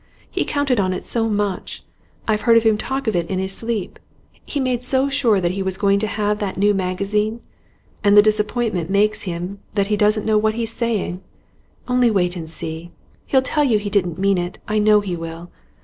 He counted on it so much. I've heard him talk of it in his sleep; he made so sure that he was going to have that new magazine, and the disappointment makes him that he doesn't know what he's saying. Only wait and see; he'll tell you he didn't mean it, I know he will.